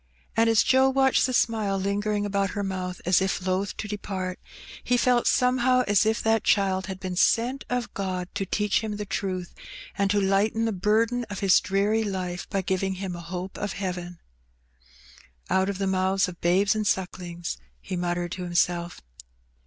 And as Joe watched the smile lingering about her mouth as if loth to depart, he felt somehow as if that child had been sent of God to teach him the truth, and to lighten the burden of his dreary life by giving him a hope of heaven. "' Out of the mouths of babes and sucklings,' " he mut tered to himself.